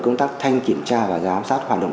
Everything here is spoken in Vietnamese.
công tác thanh kiểm tra và giám sát hoạt động